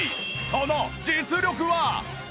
その実力は！？